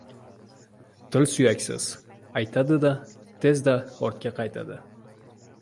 • Til suyaksiz: aytadi-da, tezda ortga qaytadi.